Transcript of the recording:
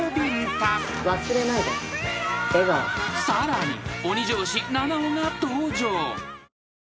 ［さらに］